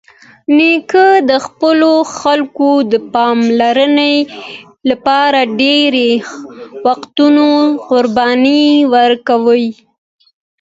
نیکه د خپلو خلکو د پاملرنې لپاره ډېری وختونه قرباني ورکوي.